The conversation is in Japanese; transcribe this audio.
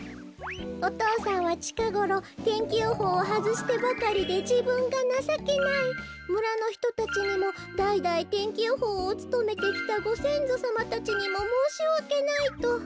お父さんは「ちかごろ天気予報をはずしてばかりでじぶんがなさけないむらのひとたちにもだいだい天気予報をつとめてきたごせんぞさまたちにももうしわけない」と。